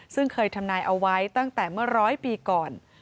ซึ่งเคยทำนายเอาไว้ตั้งแต่เมื่อร้อยปีก่อน